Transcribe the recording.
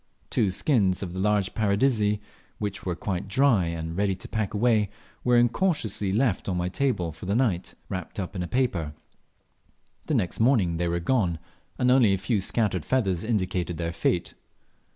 Two skins of the large Paradisea, which were quite dry and ready to pack away, were incautiously left on my table for the night, wrapped up in paper. The next morning they were gone, and only a few scattered feathers indicated their fate.